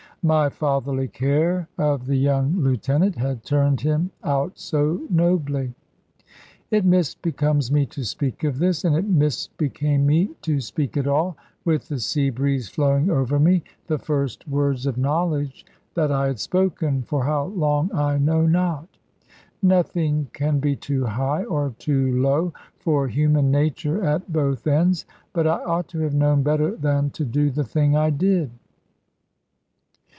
My fatherly care of the young lieutenant had turned him out so nobly. It misbecomes me to speak of this; and it misbecame me to speak at all, with the sea breeze flowing over me, the first words of knowledge that I had spoken for how long I know not. Nothing can be too high, or too low, for human nature at both ends; but I ought to have known better than to do the thing I did.